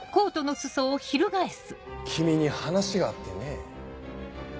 君に話があってねぇ。